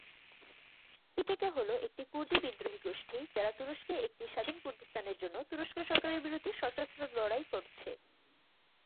পিকেকে হলো, একটি কুর্দি বিদ্রোহী গোষ্ঠী যারা তুরস্কে একটি স্বাধীন কুর্দিস্তানের জন্য তুরস্ক সরকারের বিরুদ্ধে সশস্ত্র লড়াই করছে।